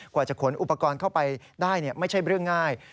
กว่าจะขนอุปกรณ์เข้าไปได้ไม่ใช่เรื่องง่าย